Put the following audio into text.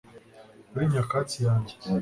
kuri nyakatsi yanjye